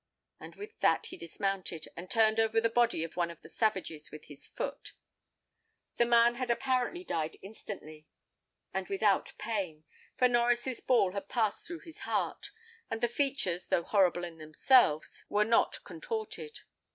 And with that he dismounted, and turned over the body of one of the savages with his foot. The man had apparently died instantly, and without pain; for Norries' ball had passed through his heart, and the features, though horrible in themselves, were not contorted.